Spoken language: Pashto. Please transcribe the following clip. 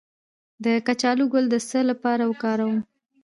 د کچالو ګل د څه لپاره وکاروم؟